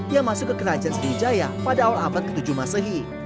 yang masuk ke kerajaan sriwijaya pada awal abad ke tujuh masehi